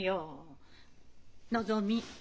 のぞみ。